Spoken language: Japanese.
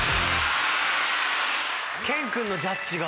健君のジャッジが。